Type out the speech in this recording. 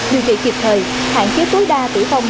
điều kiện kịp thời hạn kế tối đa tử vong